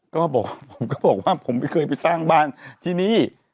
ก็บอกว่าผมไม่เคยไปสร้างบ้านที่นี่